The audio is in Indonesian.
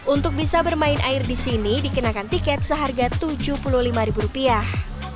untuk bisa bermain air di sini dikenakan tiket seharga tujuh puluh lima ribu rupiah